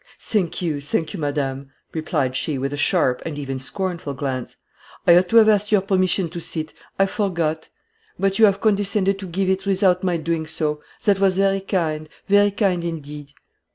"Thank you, thank you, madame," replied she, with a sharp, and even scornful glance; "I ought to have asked your permission to sit; I forgot; but you have condescended to give it without my doing so; that was very kind, very kind, indeed."